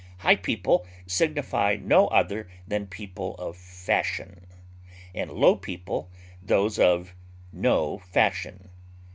High people signify no other than people of fashion, and low people those of no fashion.